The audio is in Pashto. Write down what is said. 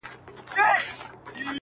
ښکاري وایې دا کم اصله دا زوی مړی,